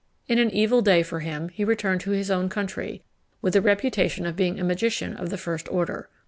In an evil day for him, he returned to his own country, with the reputation of being a magician of the first order.